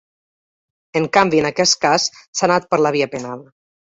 En canvi, en aquest cas s’ha anat per la via penal.